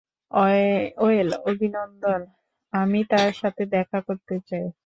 Well, অভিনন্দন, আমি তার সাথে দেখা করতে চাই।